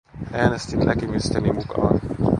Äänestin näkemysteni mukaan.